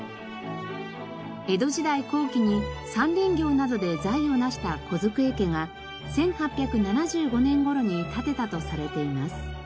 江戸時代後期に山林業などで財を成した小机家が１８７５年頃に建てたとされています。